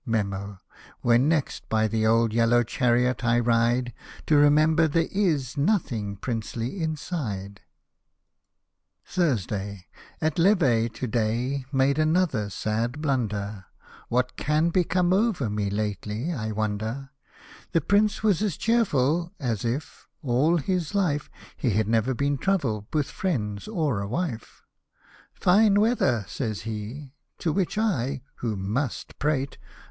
Metn. — when next by the old yellow chariot I ride. To remember there is nothing princely inside. Hosted by Google 172 SATIRICAL AND HUMOROUS POEMS Thursday. At Levee to day made another sad blunder — What can be come over me lately, I wonder ? The Prince was as cheerful, as if, all his life, He had never been troubled with Friends or a Wife — "Fine weather," says he — to which I, who must prate.